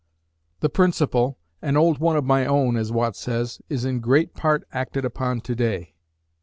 The principle, "an old one of my own," as Watt says, is in great part acted upon to day.